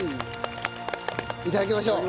いただきましょう。